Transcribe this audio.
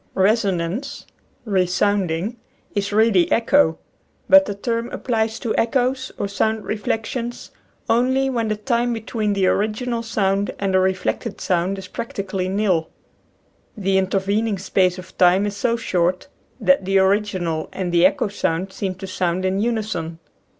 Resonance (re sounding) is really echo; but the term applies to echoes, or sound reflec tions, only when the time between the original sound and the reflected sound is practically nil. The intervening space of time is so short that the original and the echo sound seem to sound in unison.